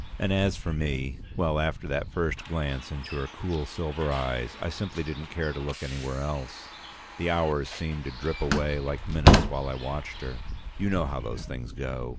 And as for me well, after that first glance into her cool silver eyes, I simply didn't care to look anywhere else. The hours seemed to drip away like minutes while I watched her. You know how those things go.